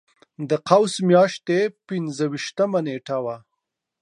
د قوس میاشتې پنځه ویشتمه نېټه وه.